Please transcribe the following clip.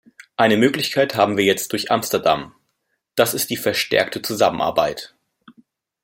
Eine Möglichkeit haben wir jetzt durch Amsterdam. Das ist die verstärkte Zusammenarbeit.